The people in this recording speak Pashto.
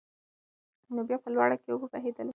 نن بيا په لوړه کې اوبه بهېدلې